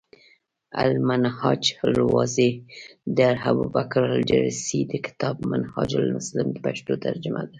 المنهاج الواضح، د الابوبکرالجريسي د کتاب “منهاج المسلم ” پښتو ترجمه ده ۔